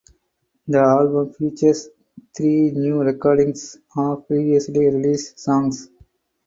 The album features three new recordings of previously released songs.